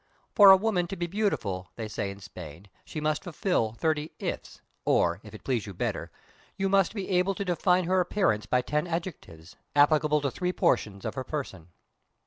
For a women to be beautiful, they say in Spain, she must fulfil thirty ifs, or, if it please you better, you must be able to define her appearance by ten adjectives, applicable to three portions of her person.